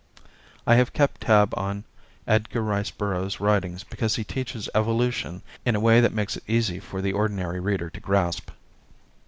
I have kept tab on Edgar Rice Burroughs' writings because he teaches evolution in a way that makes it easy for the ordinary reader to grasp.